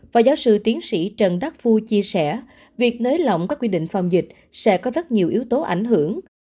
và giáo sư tiến sĩ trần đắc phu chia sẻ việc nới lỏng các quy định phòng dịch sẽ có rất nhiều yếu tố ảnh hưởng